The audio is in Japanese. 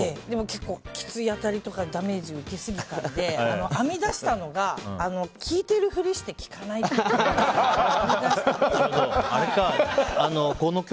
でも結構きつい当たりとかダメージを受けすぎたんで編み出したのが聞いてるふりして聞かないっていう。